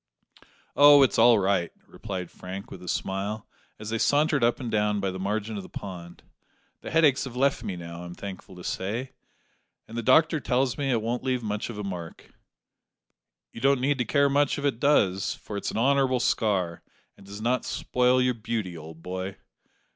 "Oh, it's all right," replied Frank, with a smile, as they sauntered up and down by the margin of the pond; "the headaches have left me now, I'm thankful to say, and the doctor tells me it won't leave much of a mark." "You don't need to care much if it does, for it's an honourable scar, and does not spoil your beauty, old boy."